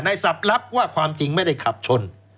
ศัพท์รับว่าความจริงไม่ได้ขับชน